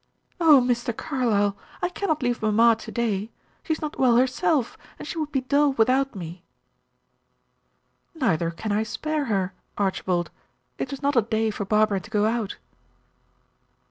"Oh, Mr. Carlyle, I cannot leave mamma to day. She is not well herself, and she would be dull without me." "Neither can I spare her, Archibald. It is not a day for Barbara to go out."